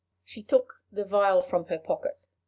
She took the vial from her pocket.